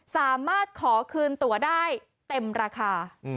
สามารถขอคืนตัวได้เต็มราคา